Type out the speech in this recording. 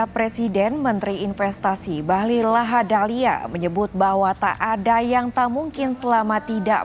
presiden menteri investasi bahlil lahadalia menyebut bahwa tak ada yang tak mungkin selama tidak